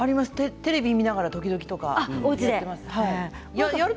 テレビを見ながら時々やっています。